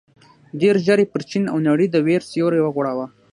ډېر ژر یې پر چين او نړۍ د وېر سيوری وغوړاوه.